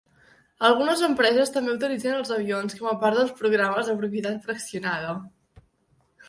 Algunes empreses també utilitzen els avions com a part dels programes de propietat fraccionada.